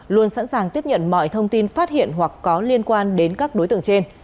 luôn sẵn sàng tiếp nhận mọi thông tin phát hiện hoặc có liên quan đến các đối tượng trên